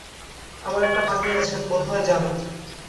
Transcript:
আমার একটি ভাগ্নী আছেন বোধ হয় জানো?